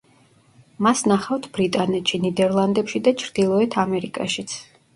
მას ნახავთ ბრიტანეთში, ნიდერლანდებში და ჩრდილოეთ ამერიკაშიც.